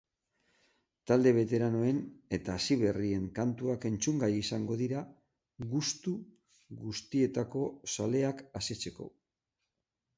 Talde beteranoen eta hasi berrien kantuak entzungai izango dira gustu guztietako zaleak asetzeko.